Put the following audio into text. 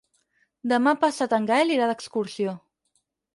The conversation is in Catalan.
Demà passat en Gaël irà d'excursió.